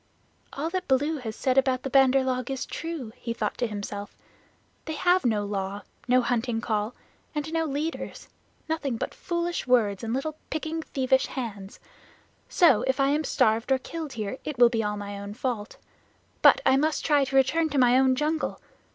"All that Baloo has said about the Bandar log is true," he thought to himself. "They have no Law, no Hunting Call, and no leaders nothing but foolish words and little picking thievish hands. So if I am starved or killed here, it will be all my own fault. But I must try to return to my own jungle.